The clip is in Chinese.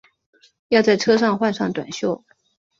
要在车上换上短袖